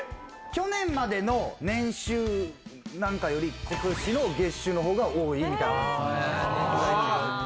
去年までの年収なんかよりことしの月収の方が多いみたいな感じですね。